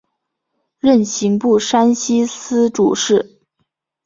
任刑部山西司主事。